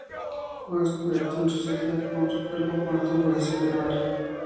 Fue descubierto en su celda, con su cuerpo muerto en posición de orar.